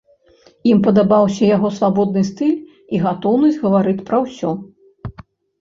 Ім падабаўся яго свабодны стыль і гатоўнасць гаварыць пра ўсё.